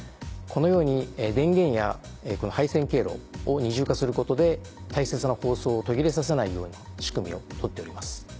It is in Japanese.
このように電源や配線経路を二重化することで大切な放送を途切れさせないような仕組みを取っております。